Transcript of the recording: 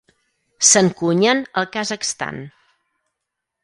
S'encunyen al Kazakhstan.